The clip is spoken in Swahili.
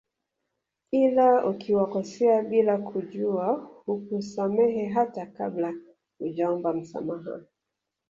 Ila ukiwakosea bila kujua hukusamehe hata kabla hujaomba msamaha